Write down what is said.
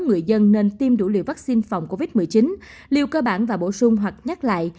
người dân nên tiêm đủ liều vaccine phòng covid một mươi chín liều cơ bản và bổ sung hoặc nhắc lại